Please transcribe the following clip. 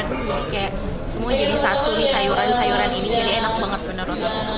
jadi kayak semua jadi satu nih sayuran sayuran ini jadi enak banget bener bener